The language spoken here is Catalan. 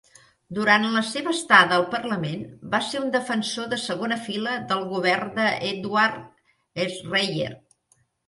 Durant la seva estada al parlament, va ser un defensor de segona fila del govern d'Edward Schreyer.